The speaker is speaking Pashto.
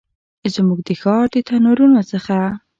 زموږ د ښار د تنورونو څخه